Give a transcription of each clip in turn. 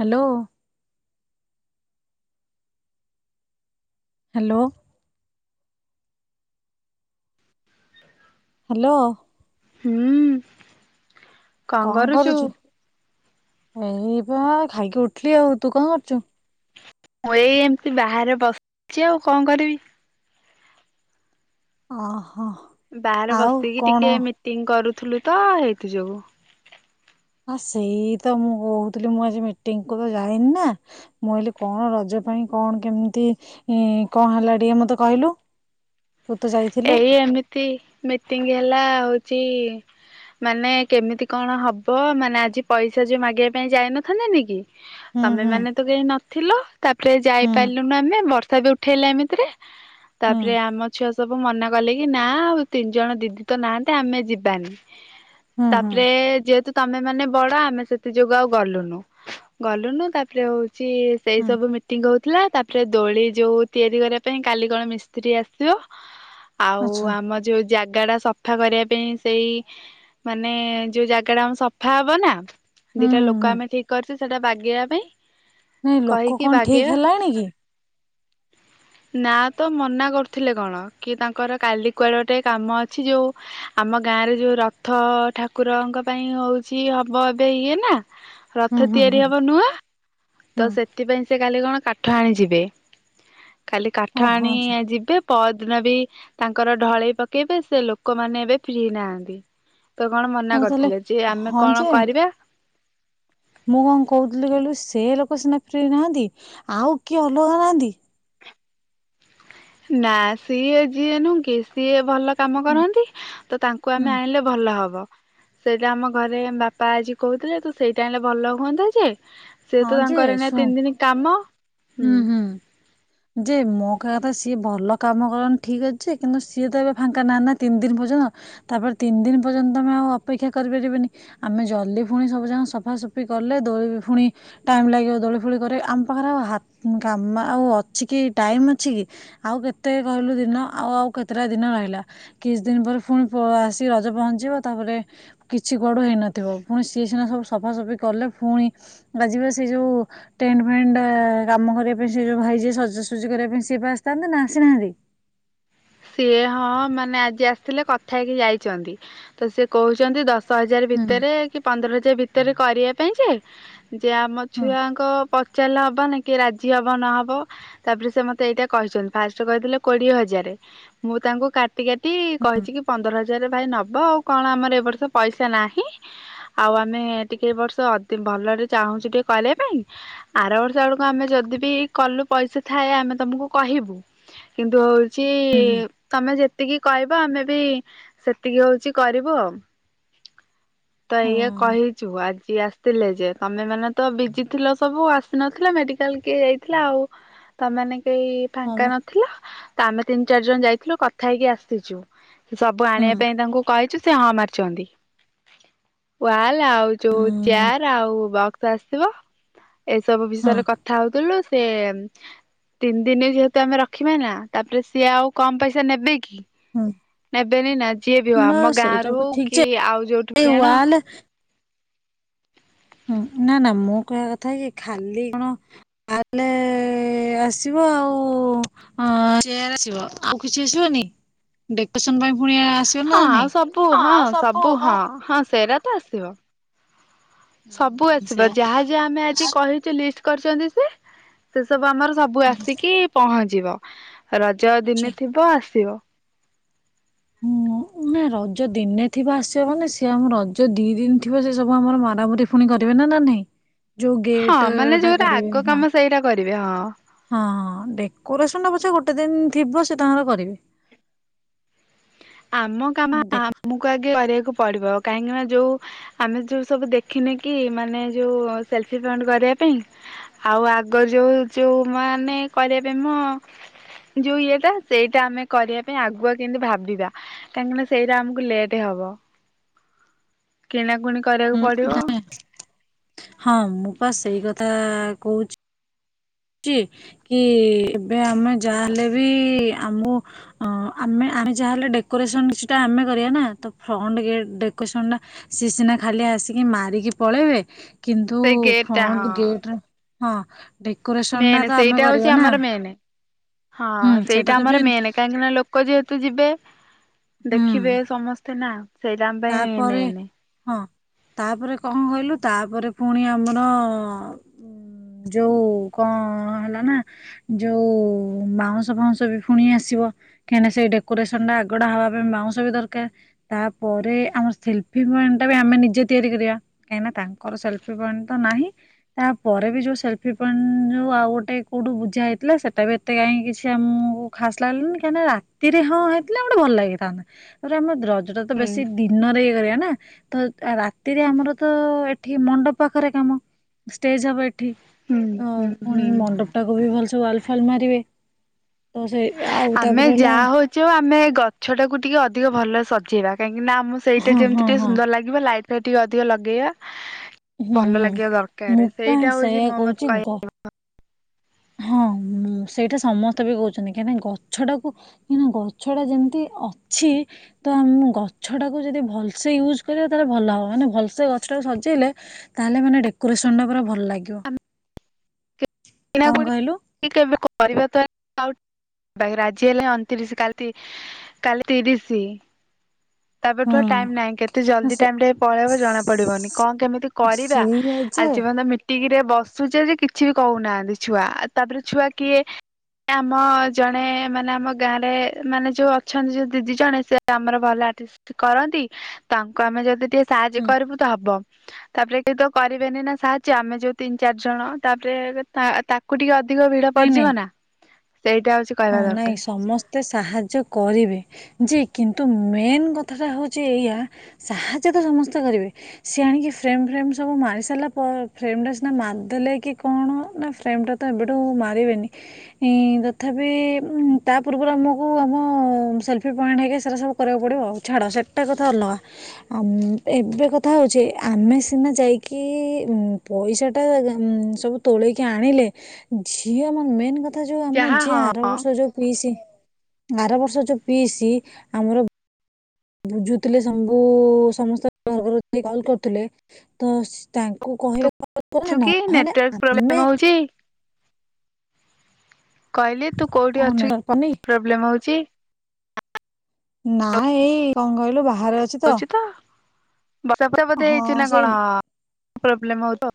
Hello. Hello. Hello. ହୁଁ କଣ କରୁଛୁ। ଏଇ ବା ଖାଇକି ଉଠିଲି ଆଉ ତୁ କଣ କରୁଛୁ। ମୁଁ ଏଇ ଏମତି ବାହାରେ ବସିଛି ଆଉ କଣ କରିବି। ହଁ। ବାହାରେ ବସିକି ଟିକେ ମିଟିଂ କରୁ। ଥିଲୁ ତ ହେଇଥିଯୋଗୁ ଆ ସେଇ ତ ମୁଁ କହୁଥିଲି ମୁଁ ଆଜି ମିଟିଙ୍ଗ୍ କୁ ତ ଯାଇନି ନା। ମୁଁ କହିଲି କଣ ରଜ ପାଇଁ କଣ କେମିତି ଇ-ଇ କଣ ହେଲା ଟିକେ ମତେ କହିଲୁ। ତୁ ତ ଯାଇଥିଲୁ ଏଇ ଏମିତି ମିଟିଙ୍ଗ୍ ହେଲା ଆଉ ଚି ମାନେ କେମିତି କଣ ହବ ମାନେ ଆଜି ପଇସା ଯୋଉ ମାଗିବା ପାଇଁ ଯାଇନଥାନ୍ତେନିକି। ହୁଁ ହୁଁ ତମେମାନେ ତ କେହି ନଥିଲ ତାପରେ ହୁଁ ଯାଇପାରିଲୁନୁ ଆମେ। ବର୍ଷା ବି ଉଠେଇଲା ଏମିତିରେ। ହୁଁ ତାପରେ ଆମ ଛୁଆ ସ ସବୁ ମନା କଲେ କି ନା ଆଉ ତିନିଜଣ ଦିଦି ତ ନାହାନ୍ତି ଆମେ ଯିବାନି। ହୁଁ ହୁଁ ତାପରେ ଯେହେତୁ ତମେମାନେ ବଡ ଆମେ ସେଥି ଯୋଗୁ ଆଉ ଗଲୁନୁ। ଗଲୁନୁ ତାପରେ ହଉ ସିଏ ସେଇ ହୁଁ ସବୁ ମିଟିଙ୍ଗ୍ ହଉ ଥିଲା ତାପରେ ଦୋଳି ଯୋଉ ତିଆରି କରିବା ପାଇଁ କାଲି କଣ ମିସ୍ତ୍ରୀ ଆସିବ। ଆଉ ଆଚ୍ଛା ଆମ ଯୋଉ ଜାଗା ଟା ସଫ୍ ସଫା କରିବା ପାଇଁ ସେଇ ମାନେ ଯୋଉ ଜାଗା ଟା ଆମ ସଫା ହବ ନା। ହୁଁ ଦିଟା ଲୋକ ଆମେ ଠିକ କର ସେ ସେଟା ବାଗେଇବା ପାଇଁ ନାଇ ଲୋକ କହିକି କଣ ଠିକ ବାଗେଇବା ହେଲାଣି କି। ନା ତ ମନା କରୁଥିଲେ କଣ। କି ତାଙ୍କର କାଲି କୁଆଡ଼େ ଗୋଟେ କାମ ଅଛି ଯେଉଁ ଆମ ଗାଁରେ ଯେଉଁ ରଥ ଠାକୁରଙ୍କ ପାଇଁ ହେଉଛି ହେବ ଏବେ ଇଏ ନା ରଥ ହୁଁ ହୁଁ ତିଆରି ହୁଁ ହବ ନୂଆ। ତ ହୁଁ ସେଥିପାଇଁ ସେ କାଲି କାଲି କଣ କାଠ ଆଣିଯିବେ। କାଲି କାଠ ଓହୋ ଆଣି ଆଚ୍ଛା ଇଏ ଯିବେ ପର ଦିନ ବି ତାଙ୍କର ଢଳେଇ ପକେଇବେ ସେ ଲୋକମାନେ ଏବେ ଫ୍ରୀ ନାହାନ୍ତି। ତ କଣ ମନା ହଉ ତାହେଲେ କରିଥିଲେ ଯିଏ ଆମେ ହଁ କଣ ଯେ କରିବା? ମୁଁ କଣ କହୁଥିଲି କହିଲୁ ସେ ଲୋକ ସିନା ଫ୍ରି ନାହାନ୍ତି। ଆଉ କିଏ ଅଲଗା ନାହାନ୍ତି? ନା ସିଏ ଯିଏ ନୁହଁକି ସିଏ ଭଲ କାମ ହୁଁ କରନ୍ତି ତ ତାଙ୍କୁ ହୁଁ। ଆମେ ଆଣିଲେ ଭଲ ହବ। ସେଇଟା ଆମ ଘରେ ବାପା ଆଜି କହୁଥିଲେ ତୁ ସେଇଟା ହେଲେ ଭଲ ହୁଅନ୍ତା ଯେ। ସେ ହଁ ତ ଯେ ତାଙ୍କର ଏଇନା ଶୁଣ ତିନିଦିନ କାମ। ହୁଁ ହୁଁ ଯେ ମୋ କହିବା କଥା। ଯିଏ ଭଲ କାମ କରନ୍ତି ଠିକ୍ ଅଛି ଯେ କିନ୍ତୁ ସିଏ ତ ଏବେ ଫାଙ୍କା ନାଁ ନା ତିନି ଦିନ ପର୍ଯ୍ୟନ୍ତ। ତାପରେ ତିନିଦିନ ପର୍ଯ୍ୟନ୍ତ ତମେ ଆଉ ଅପେକ୍ଷା କରିପାରିବେନି। ଆମେ ଜଲ୍ଦି ପୁଣି ସବୁ ଜା ସଫାସଫି କଲେ ଦୋ ପୁଣି ଟାଇମ୍ ଲାଗିବ ଦୋଳି ଫୋଳି କରେ। ଆମ ପାଖରେ ଆଉ ହା କାମ ଆଉ ଅଛି କି ଟାଇମ୍ ଅଛି କି। ଆଉ କେତେ କହିଲୁ ଦିନ ଆଉ ଆଉ କେତେଟା ଦିନ ରହିଲା। କିଛି ଦିନ ପରେ ଫୁଣି ପ ଆସିକି ରଜ ପହଞ୍ଚିବ। ତାପରେ କିଛି କୁଆଡୁ ହେଇନଥିବ। ପୁଣି ସିଏ ସିନା ସବୁ ସଫାସଫି କଲେ ପୁଣି ବା ଯିବେ ସେ ଯେଉଁ ଟେଣ୍ଟ୍ ଫେଣ୍ଟ୍ ଏ କାମ କରିବା ପାଇଁ ସେ ଯୋଉ ଭାଇ ଯିଏ ସଜାସୁଜି କରିବା ପାଇଁ ସିଏ ଵା ଆସିଥାନ୍ତେ ନା ଆସିନାହାନ୍ତି? ସିଏ ହଁ ମାନେ ଆଜି ଆସିଥିଲେ କଥା ହେଇକି ଯାଇଛନ୍ତି ତ ସେ କହୁଛନ୍ତି ଦଶ ହଜାର ହୁଁ ଭିତରେ କି ପନ୍ଦର ହଜାର ଭିତରେ କରିବା ପାଇଁ ଯେ। ଯେ ଆମ ହଁ ଛୁଆଙ୍କ ପଚାରିଲା ହେବ ନେ କି ରାଜି ହେବ ନହେବ। ତାପରେ ସେ ମୋତେ ଏଇଟା କହିଛନ୍ତି। ଫାଷ୍ଟରେ କହିଥିଲେ କୋଡ଼ିଏ ହଜାରେ । ମୁଁ ତାଙ୍କୁ କାଟି ଟି କାଟି ହଁ କହିଛି କି ପନ୍ଦର ହଜା ପୂଜାରେ ଭାଇ ନବ ଆଉ କଣ ଆମର ଏ ବର୍ଷ ପଇସା ନାହିଁ ଆଉ ଆମେ ଟିକେ ଏ ବର୍ଷ ଅ ଅତି ଭଲରେ ଚାହୁଁ ଟିକେ କଲିଆ ପାଇଁ ଆର ବର୍ଷ ବେଳକୁ ଆମେ ଯଦି ବି କଲୁ ପଇସା ଥାଏ ଆମେ ତମକୁ କହିବୁ କିନ୍ତୁ କି ହୁଁ ହୁଁ। ତମେ ଯେତିକି କହିବ ଆମେ ବି ସେତିକି ହଉଛି କରିବୁ ଆଉ। ତ ଏଇଆ କହିଛୁ ଆଜି ଯିଏ ଆସିଥିଲେ ଯେ ତମେ ମାନେ ତ ବିଜି ଥିଲ ସବୁ ଆସିନଥିଲ ମେଡିକାଲ କିଏ ଯାଇଥିଲା ଆଉ ତମମାନେ କେଇ ହଁ ଫାଙ୍କା ମ ନଥିଲା। ତ ଆମେ ତିନି ଚାରି ଜଣ ଯାଇଥିଲୁ କଥା ହେଇକି ଆସିଛୁ। ସବୁ ଆଣିବା ହୁଁ ପାଇଁ ତାଙ୍କୁ କହିଛୁ। ସେ ହଁ ମାରିଛନ୍ତି ୱାଲ ଆଉ ଯୋଉ ଉଁ ଚେୟାର ଆଉ ବକ୍ସ ଆସିଥିବ। ଏସବୁ ହଁ ବିଷୟରେ କଥା ହଉଥିଲୁ ସେ ତିନି ଦିନ ଯେହେତୁ ଆମେ ରଖିବା ନା। ତାପରେ ସିଏ ଆଉ କମ ପଇସା ନେବେ କି। ହୁଁ ନେବେନି ନା ଯିଏ ବି ହଉ ନା ଆମ ଗାଁ ସେଇଟା ରୁ ବି ହଉ ଠିକ ଯେ କି ଆଉ ଯୋଉଠି ଏଇ ବି ଆଣ। ୱାଲ ହଁ ନା ନା ମୁଁ କହିବା କଥା କି ଖାଲି କଣ ୱାଲେ ଆସିବ ଆଉ ଚେୟାର ଆସିବ ଆଉ କିଛି ଆସିବନି? ପୁଣି ଆସିବ ନା ହଁ ଆଉ ନାଇଁ? ସବୁ ହଁ ଆଉ ସବୁ ହଁ ହଁ ସେରା ଆସିବ। ସବୁ ହୁଁ ଆସିବ ସେଇଆ ଯାହା ଯାହା ଆମେ ଆଜି କହିଛୁ ଲିଷ୍ଟ କରିଛନ୍ତି ସେ ସେ ସବୁ ଆମର ସବୁ ଆସିକି ପହଞ୍ଚିବ। ରଜ ଆଚ୍ଛା। ଦିନେ ଥିବ ଆସିବ। ହୁଁ ନା ରଜ ଦିନେଥିବ ଆସିବ ମାନେ ସିଏ ଆମ ରଜ ଦିଇ ଦିନ ଥିବ ସେ ସବୁ ଆମର ମାରାମୁରି ପୁଣି କରିବେ ନା ନା ନାଇଁ। ଯୋଉ ହଁ ଗେଟ ମାନେ ଯୋଉଟା ଆଗ କାମ ସେଇଟା କରି ରିବେ ହଁ। ହଁଁ ଡେକୋରେସନ ଟା ପଛେ ଗୋଟେ ଦିନ ଥିବ ସେ ତାଙ୍କର କରିବେ। ଆମ କାମ ଦେଖ ଆମକୁ ଆଗେ କରିବାକୁ ପଡିବ। କାହିଁକିନା ଯଉ ଆମେ ଯେଉ ସବୁ ଦେଖିନେ କି ମାନେ ଯଉ ସେଲ୍ଫି ପେଣ୍ଟ କରିବା ପାଇଁ ଆଉ ଆଗ ଯୋଉ ଯୋଉମାନେ କରିବା ପାଇଁ ମୋ ଯଉ ଇଏଟା ସେଇଟା ଆମେ କରିବା ପାଇଁ ଆଗୁଆ କେମତି ଭାବିବା। କାହିଁକିନା ସେଇଟା ଆମକୁ ଲେଟ ହବ କିଣା ପୁଣି କରିବାକୁ ପଡିବ। ହଁ ମୁଁ ପା ସେଇ କଥା କହୁଛି। ଛି କି ଏବେ ଆମେ ଯାହାହଲେ ବି ଆମକୁ ଆମେ ଯାହାହେଲେ ଡେକୋରେସନ କିଛିଟା ଆମେ କରିବା ନା ତ ଫ୍ରଣ୍ଟ ଗେଟ ଡେକୋରେସନ ଟା ସେ ସିନା ଖାଲି ଆସିକି ମାରିକି ପଳେଇବେ। କିନ୍ତୁ ସେଇ ଗେଟ୍ ଟା ହଁ ଫ୍ରଣ୍ଟ ଗେଟ୍ ହଁ ଡେ ମେନ୍ ସେଇଟା ହଉଛି ଆମର ମେନ୍ ହଁ ସେଇଟା ଆମର ମେନ୍ କାହିଁକି ନା ଲୋକ ଯେହେତୁ ଯିବେ ହୁଁ ଦେଖିବେ ସମସ୍ତେ ନା ସେଇଟା ଆମ ପାଇଁ ତାପରେ ମେନ୍। ହଁ ତାପରେ କଣ କହିଲୁ ତାପରେ ପୁଣି ଆମର ଉ ଯୋଉ କଣ ହେଲା ନା ଯୋଉ ବାଉଁଶ ଫାଉଁଶ ବି ପୁଣି ଆସିବ କାହିଁନା ସେଇ ଡେକୋରେସନ ଟା ଆଗଡା ହବା ପାଇଁ ବାଉଁଶ ବି ଦରକାର ତା ପରେ ଆମର ସେଲଫି ପଏଣ୍ଟ ଟା ବି ଆମେ ନିଜେ ତିଆରି କରିବା କାହିଁକିନା ତାଙ୍କର ସେଲଫି ପଏଣ୍ଟ ତ ନାହିଁ ତାପରେ ବି ଯୋଉ ସେଲଫି ପଏଣ୍ଟ ଯୋଉ ଆଉ ଗୋଟେ କୋଉଠୁ ବୁଝା ହେଇଥିଲା ସେଟା ବି ଏତେ କାହିଁକି କିଛି ଆମକୁ ଖାସ ଲାଗିଲାନି କାହିଁକି ନା ରାତିରେ ହଁ ହେଇଥିଲା ଗୋଟେ ଭଲ ଲାଗିଥାନ୍ତା ତାପରେ ଆମେ ରଜ ତ ହୁଁ ବେଶୀ ଦିନରେ ଇଏ କରିବା ନା। ତ ରାତିରେ ଆମର ତ ଏଠି ମଣ୍ଡପ ପାଖରେ କାମ। ଷ୍ଟେଜ ହବ ଏଠି ହୁଁ ତ ହୁଁ ପୁଣି ହୁଁ ମଣ୍ଡପ ଟାକୁ ବି ଭଲସେ ୱାଲ ଫାଲ ମାରିବେ। ତ ସେ ଆଉ ଆମେ ତାପରେ ହେଲା ଯାହା ହଉଛୁ ଆମେ ଗଛ ଟାକୁ ଟିକେ ଅଧିକ ଭଲରେ ସଜେଇବା। କାହିଁକି ନା ମୁଁ ସେଇଟା ହଁ ଯେମିତି ହଁ ଟିକେ ହଁ ସୁନ୍ଦର ଲାଗିବ ଲାଇ ପେ ଟିକି ଅଧିକ ଲଗେଇା। ହୁଁ ହୁଁ ମୁପା ସେଇଟା ହଉଛି ସେୟଆ ମୋ ମତ କହୁଚିତ କହିବା । ହଁ ସେଇଟା ସମସ୍ତେ ବି କହୁଛନ୍ତି କାହିଁକିନା ଗଛଟାକୁ କାଁ ଗଛ ଟା ଯେମିତି ଅଛି ତମ ଗଛ ଟାକୁ ଯଦି ଭଲସେ ୟୁଜ କରିବା ତାହେଲେ ଭଲ ହବ ମାନେ ଭଲସେ ଗଛଟାକୁ ସଜେଇଲେ ତାହେଲେ ମାନେ ଡେକୋରେସନ ଟା ପୁରା ଭଲ ଲାଗିବ। କଣ କହିଲୁ ଏକୁବେ। [inaudible] ପରିବର୍ତନ ଆ ରାଜି ହେଲେ ଅଣତିରିଶ କାଲି କାଲି ତିରିଶ। ତାପଠୁଆ ଟାଇମ ହୁଁ ନାହିଁ କେତେ ଜଲଦି ସେ ଟାଇମ ଟ ପଳେଇବ ଜଣା ପଡିବନି କଣ କେମିତି କରିବା ସେଇଆ ଯେ ଆଜିପର୍ଯ୍ୟନ୍ତ ମିଟିଂ ରେ। ବସୁଛେ ଯେ କିଛି ବି କହୁନାହାନ୍ତି ଛୁଆ ତାପରେ ଛୁଆ କିଏ ଆମ ଜଣେ ମାନେ ଆମ ଗାଁରେ ମାନେ ଯୋଉ ଅଛନ୍ତି ଯୋଉ ଦିଦି ଜଣେ ସେ ଆମର ଭଲ। ଟିଷ୍ଟ କରନ୍ତି ତାଙ୍କୁ ଆମେ ଯଦି ଟିକେ। ସାହାଯ୍ୟ ହୁଁ କରିବୁ ତ ହବ। ତାପରେ କି ତ କରିବେନି ନା ସାହାଯ୍ୟ ଆମେ ଯୋଉ ତିନି ଚାରି ଜଣ ତାପରେ ତା ତାକୁ ଟିକେ। ଅ ଭିଡ ନାଇଁ ପଡିଯିବ ନାଇଁ ନା। ସେଇଟା ହଉଛି ହଁ କହିବା ନାଇଁ ଦରକାର ସମସ୍ତେ ସାହାଯ୍ୟ କରିବେ ଯେ। କିନ୍ତୁ ମେନ୍ କଥାଟା ହେଉଛି ଏଇଆ ସାହାଯ୍ୟ ତ ସମସ୍ତେ କରିବେ ସିଏ ଆଣିକି ଫ୍ରେମ୍ ଫ୍ରେମ୍ ସବୁ ମାରି ସାରିଲା ପରେ ଫ୍ରେମ୍ଟା ସିନା ମାରିଦେଲେ କି କଣ ନା ଫ୍ରେମ୍ଟା ତ ଏବେଠୁ ମାରିବେନି ଇ। ତଥାପି ତା ପୂର୍ବରୁ ଆମକୁ ଆମ ସେଲ୍ଫି ପଏଣ୍ଟ ହେଇକି ସେଟା ସବୁ କରିବାକୁ ପଡ଼ିବ ଆଉ ଛାଡ଼ ସେଇଟା କଥା ଅଲଗା ଏବେ କଥା ହେଉଛି ଆମେ ସିନା ଯାଇକି ପଇସାଟା ସବୁ ତୋଳେଇକି ଆଣିଲେ ଝିଅ ମା ମେନ୍ କଥା। ତ ଯଉ ଆମ। ଯାହା ଆର ହଁ ବର୍ଷ ଯଉ ପି ଆରବର୍ଷ ଯୋଉ ପିଇସି ଆମର। ବୁଝୁଥିଲେ ସବୁ ସମସ୍ତର କଲ୍ କରୁଥିଲେ ତ ତା କୁ ତୁ କହିଲେ କ ଅଛୁ କର କି ନହେଲେ ନେଟୱାର୍କ ପ୍ରୋବ୍ଲେମ ଆମେ। ହଉଛି କହିଲି ତୁ କେଉଁଠି ଅଛୁ ଆମେ କି କନି ପ୍ରୋବ୍ଲେମ୍ ହେଉଛି। ନାଇଁ ଏଇ କଣ କହିଲୁ ବା। ବାହାରେ ଅଛି ତ। ବର୍ଷା ପୁରା ବଧେ ହଁ ହେଇଛୁ ନା ସେଇ କଣ। ପ୍ରୋବ୍ଲେମ ହତ।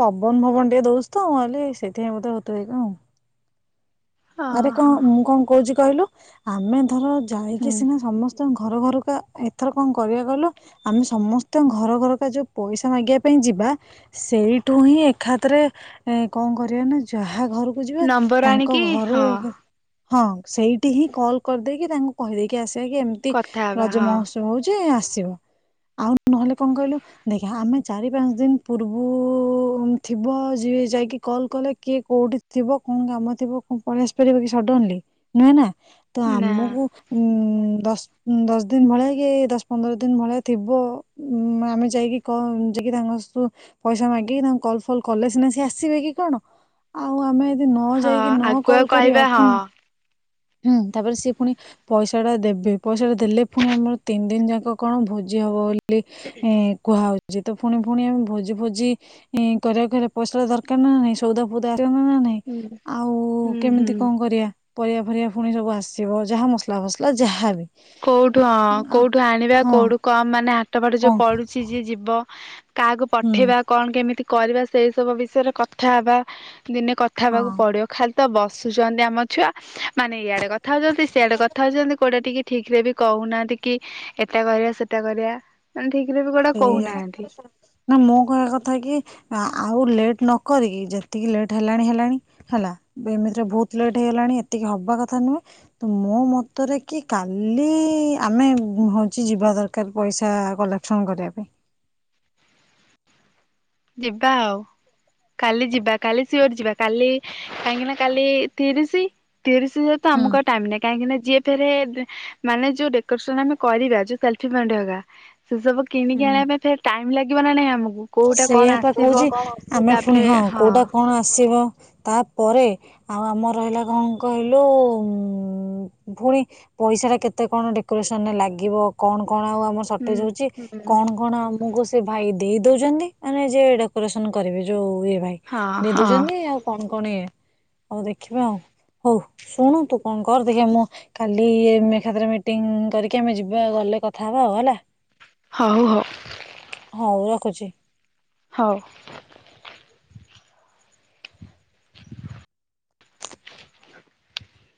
ପବନ ଫବନ ଟିକେ ଦଉଛି ତ ମୁଁହଲି ସେଇଥିପାଇଁ ବୋଧେ ହଉଥିବ କି କଣ। ଆରେ କଣ ଓହୋ ମୁଁ କଣ କହୁଛି? କହିଲୁ ଆମେ ଧର। ଯାଇକି ହୁଁ ସିନା ସମସ୍ତେ। ଘର ଘରକା ଏଥର କଣ କରିବାକୁ କହିଲୁ ଆମେ ସମସ୍ତଙ୍କ ଘର ଘରକା ଯୋଉ ପଇସା ମାଗିବା ପାଇଁ ଯିବା ସେଇଠୁ ହିଁ ଏକାତରେ କଣ କରିବା ନା ଯାହା। ଯାହା ଘରକୁ ଯିବା ନମ୍ବର ତାଙ୍କ ଆଣିକି ଘ। [unintelligible] ହଁ ସେଇଠି ହିଁ କଲ କରିଦେଇକି ତାଙ୍କୁ କହିଦେଇକି ଆସି। ଯକି ଏମିତି କଥା ହବା ରଜ ହଁ। ମହୋତ୍ସବ ହଉଛି ଆସି ଆସିବ ଆଉ ନହେଲେ କଣ କହିଲୁ ଦେଖିବା ଆମେ ଚାରି ପାଞ୍ଚ ଦିନ ପୂର୍ବରୁ ଥିବ ଯ ଯାଇକି କଲ କଲେ କିଏ କୋଉଠି ଥିବ କଣ କାମ ଥିବ ହଁ ପଳେଇସି ପାରିବ କି ସଡନଲି ନୁହେଁ ନା। ତ ନା ଆମକୁ ଉଁ ଦଶ ଦଶ ଦିନ ଭଳିଆ କି ଦଶ ପନ୍ଦର ଦିନ ଭଳିଆ ଥିବ ଆମେ ଯାଇକି ଯାଇକି ତାଙ୍କୁ ପଇସା ମାଗିକି ତାଙ୍କୁ କଲ ଫଲ କଲେ ସିନା ସି ଆସିବେ କି କଣ ଆଉ ଆମେ ନ ହଁ ଯାଇକି ନ ଆଗୁଆ କହିବା କରିବା ହଁ ପୁଣି ହୁଁ ତାପରେ ସିଏ ପୁଣି ପଇସା ଟା ଦେବେ ପଇସା ଟା ଦେଲେ ପୁଣି ଆମର ତିନି ଦିନ ଯାକ କଣ ଭୋଜି ହବ ବୋଲି ବୋଲି କୁହାଉଛି। ଏ ତ ପୁଣି ପୁଣି ଆମେ ଭୋଜି ଭୋଜି କରିବାରେ ପଇସା ଦରକାର ନା ନାଇଁ ସଉଦା ଫୁଦା ନା ନାଇଁ ହୁଁ। ଆଉ ହୁଁ ହୁଁ। ଏମିତି କଣ କରିବା? ପରିବା ପରିବା ପୁଣି ସବୁ ଆସିବ ଯାହା ମସଲା ଫସଲା ଯାହାବି କୋଉଠୁ ହଁ ଆ କୋଉଠୁ ଆଣିବା ହଁ କୋଉଠୁ କମ ମାନେ ପଟ ବାଟ ଯୋଉ କଣ ପଢୁଛି ଯିଏ ଯିବ [inaudible] କାହାକୁ ହୁଁ ପଠେଇବା କଣ କେମିତି କରିବା ସେଇ ସବୁ ବିଷୟରେ କଥା ହବା। ଦିନେ କଥା ହେବାକୁ ହଁ ପଡିବ ଖାଲି ତ ବସୁଛନ୍ତି ଆମ ଛୁଆ ମାନେ ଇଆଡେ କଥା ହଉଛନ୍ତି ସିଆଡେ କଥା ହଉଛନ୍ତି କୋଉଟା ଟିକେ ଠିକ ରେ ବି କହୁନାହାନ୍ତି କି ଏଟା କରିବା ସେଟା କରିବା ମାନେ ଠିକ ରେ ବି କୋଉଟା ସେଇଆ କହୁନାହାନ୍ତି ନା ମୁଁ କହିବା କଥା କି ଆଉ ଲେଟ୍ ନକରିକି ଯେତିକି ଲେଟ୍ ହେଲାଣି ହେଲାଣି ହେଲା ଏମିତିରେ ବହୁତ ଲେଟ୍ ହେଇଗଲାଣି ଏତିକି ହବା କଥା ନୁହେଁ ତ ମୋ ମତରେ କି କାଲି ଆମେ ହେଉଛି ଯିବା ଦରକାର ପଇସା କଲେ ପସଙ୍ଗ କରିବା ପାଇଁ। ଯିବା ଆଉ କାଲି ଯିବା କାଲି ସିଓର ଯିବା କାଲି କାହିଁକି ନା କାଲି ତିରିସି ତିରିସି ତ ହୁଁ। ଆମକୁ ଟାଇମ ନାହିଁ କାହିଁକି ନା ଯିଏ ଏରେ ମାନେ ଯୋଉ ଡେକୋରେସନ ଆମେ କରିବା ଯୋଉ ସେଲଫି ମାଣ୍ଡି ସେ ସବୁ କିଣିକି ହୁଁ ଆଣିବା ପାଇଁ ଫ ଟାଇ ଲାଗ ଲାଗିବ ନା ନାହିଁ ଆମକୁ କୋଉଟା? କଣ ସେଇଆ ପା କହୁଛି ଆସିବ ଆମେ ପୁଣି ହଁ କୋଉଟା କଣ ଆସିବ ତାପରେ ଆଉ ଆମର ରହିଲା କଣ କହିଲୁ ଉ ପୁଣି ପଇସା ଟା କେତେ କଣ ଡେକୋରେସନରେ ଲାଗିବ କଣ କ? କଣ ଆଉ ଆମ ହୁଁ ସଟେଜ ହଉଛି ହୁଁ କଣ କଣ ଆମକୁ ସେ ଭାଇ ଦେଇ ଦଉଛନ୍ତି ମାନେ ଯ ଡେକୋରେସନ କରିବି ଯୋଉ। ଦୁଇ ଭାଇ ହଁ ହଁ ନିଧୁଛନ୍ତି ଆଉ କଣ? କଣ ଆଉ ଦେଖିବା ଆଉ ହଉ ଶୁଣୁ ତୁ କଣ କର ଦେଖ ମୁଁ କାଲି ଏକାଥରେ ମିଟିଂ କରିକି ଆମେ ଯିବା ଗଲେ କଥା ହବା ଆଉ ହେଲା। ହଉ ହଉ ହଉ ରଖୁଛି। ହଉ